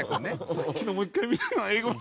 さっきのもう１回見たいな英語の。